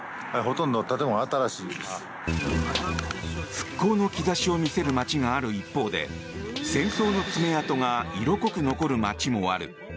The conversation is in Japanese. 復興の兆しを見せる街がある一方で戦争の爪痕が色濃く残る街もある。